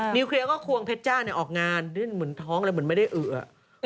เคลียร์ก็ควงเพชรจ้าออกงานเหมือนท้องเลยเหมือนไม่ได้เอือ